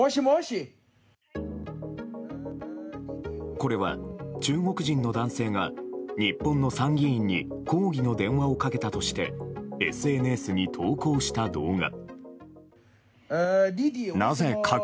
これは、中国人の男性が日本の参議院に抗議の電話をかけたとしてＳＮＳに投稿した動画。